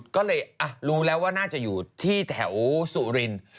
ก็เลยรู้แล้วว่าน่าจะอยู่ที่แถวสุรินทร์